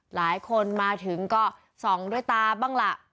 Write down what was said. หลายคนมาถึงก็ส่องด้วยตาบ้างล่ะ